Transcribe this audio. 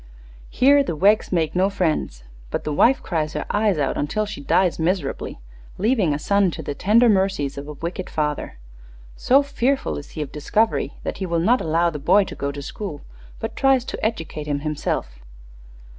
Here the Weggs make no friends: but the wife cries her eyes out until she dies miserably, leaving a son to the tender mercies of a wicked father. So fearful is he of discovery that he will not allow the boy to go to school, but tries to educate him himself."